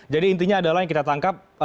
jadi intinya adalah yang kita tangkap